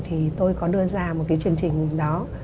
thì tôi có đưa ra một cái chương trình đó